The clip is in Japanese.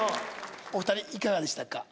お２人いかがでしたか？